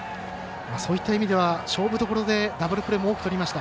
そういった意味では勝負どころでダブルプレーも多くとりました。